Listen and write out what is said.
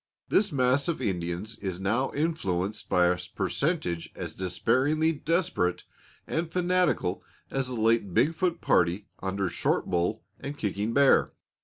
This mass of Indians is now influenced by a percentage as despairingly desperate and fanatical as the late Big Foot party under Short Bull and Kicking Bear.